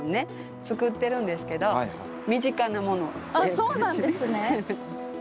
ああそうなんですね。